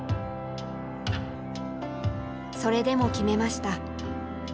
それでも決めました。